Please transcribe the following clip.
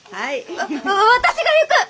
わ私が行く！